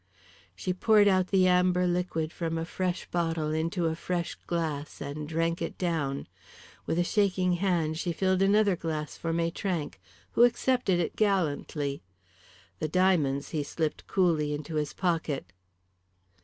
She poured out the amber liquid from a fresh bottle into a fresh glass and drank it down. With a shaking hand she filled another glass for Maitrank, who accepted it gallantly. The diamonds he slipped coolly into his pocket.